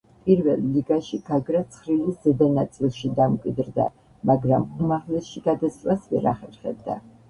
პირველ ლიგაში გაგრა ცხრილის ზედა ნაწილში დამკვიდრდა, მაგრამ უმაღლესში გადასვლას ვერ ახერხებდა.